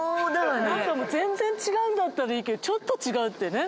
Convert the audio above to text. なんかもう全然違うんだったらいいけどちょっと違うってね。